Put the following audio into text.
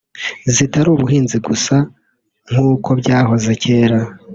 zitari ubuhinzi gusa nk’uko byahoze kera